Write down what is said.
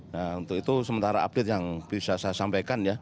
nah untuk itu sementara update yang bisa saya sampaikan ya